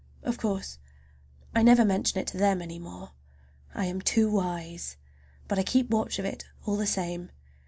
Of course I never mention it to them any more,—I am too wise,—but I keep watch of it all the same.